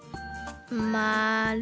まる。